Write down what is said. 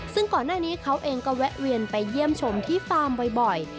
ซึ่งก่อนหน้านี้เขาเองก็แวะเวียนไปเยี่ยมชมที่ฟาร์มบ่อย